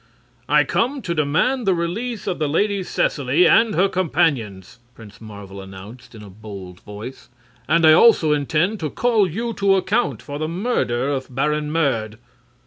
"I come to demand the release of the Lady Seseley and her companions!" Prince Marvel announced, in a bold voice. "And I also intend to call you to account for the murder of Baron Merd."